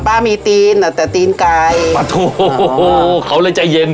ปั้นพี่ก่อนป๊ามีตีนแต่ตีนไก่โอ้โภเขาเลยใจเย็น